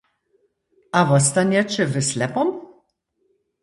A wostanjeće w Slepom?